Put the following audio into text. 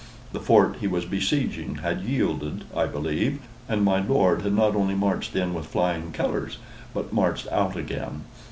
The fort he was besieging had yielded, I believe, and my lord had not only marched in with flying colors, but marched out again.